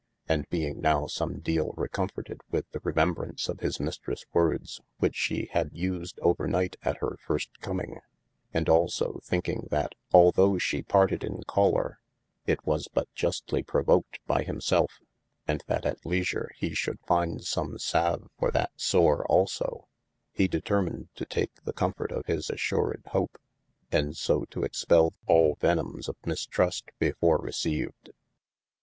And (being nowe some deale recomforted with the remem braunce of his mistres words which she hadde used over night at hir first comming, and also thinkinge that although shee parted in choller, it was but justlye provoked by him selfe, and that at leasure hee shoulde finde some salve for that sore also) hee determined to take the comforte of his assured Hope, 438 ? OF MASTER F. J. and so to expell all venomnes of mistrust before received.